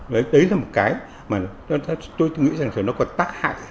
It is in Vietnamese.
một cái mà tôi nghĩ rằng nó còn tác hại